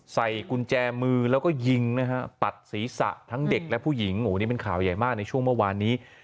ใส่กุญแจมือแล้วก็ยิงนะฮะปัดศีรษะทั้งเด็กและผู้หญิงโอ้โหนี่เป็นข่าวใหญ่มากในช่วงเมื่อวานนี้